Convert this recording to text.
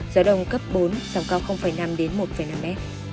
gió đông cấp bốn sóng cao năm một năm m